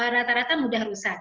rata rata mudah rusak